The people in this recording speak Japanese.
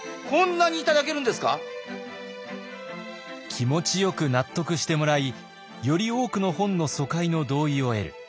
気持ちよく納得してもらいより多くの本の疎開の同意を得る。